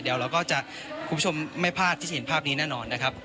เดี๋ยวเราก็จะคุณผู้ชมไม่พลาดที่จะเห็นภาพนี้แน่นอนนะครับ